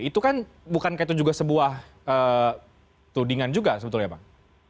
itu kan bukankah itu juga sebuah tudingan juga sebetulnya bang